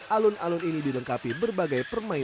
alun alun ini dilengkapi berbagai permainan